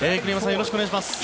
よろしくお願いします。